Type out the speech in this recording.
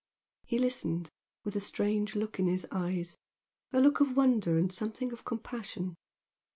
He listened, with a strange look in his eyes, a look of wonder and something of compassion.